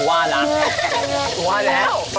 อ่ะหัวละ